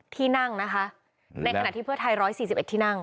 ที่นั่งนะคะและในขณะที่เพื่อไทยร้อยสี่สิบเอ็ดที่นั่ง